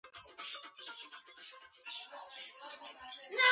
ცეტკინი აირჩიეს საერთაშორისო ქალთა სამდივნოს მდივნად.